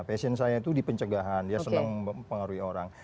passion saya itu di pencegahan dia senang mempengaruhi orang